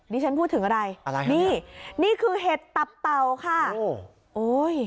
นี่ฉันพูดถึงอะไรนี่นี่คือเห็ดตับเป่าค่ะโอ้โฮ